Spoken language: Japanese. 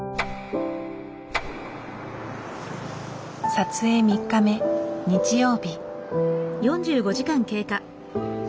撮影３日目日曜日。